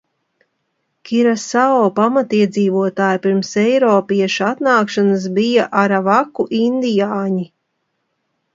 Kirasao pamatiedzīvotāji pirms eiropiešu atnākšanas bija aravaku indiāņi.